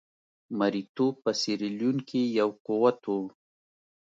مریتوب په سیریلیون کې یو قوت وو.